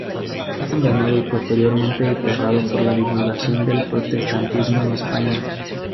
Fue condenado y posteriormente desterrado por la divulgación del protestantismo en España.